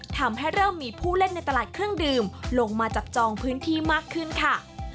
ทำให้เริ่มมีผู้เล่นในตลาดเครื่องดื่มลงมาจับจองพื้นที่มากขึ้นค่ะ